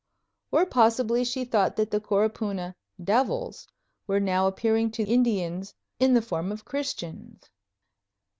Or possibly she thought that the Coropuna "devils" were now appearing to Indians "in the form of" Christians!